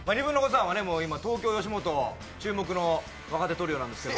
さんは東京吉本注目の若手トリオですけど。